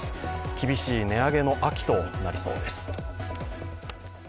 厳しい値上げの秋となりそうです。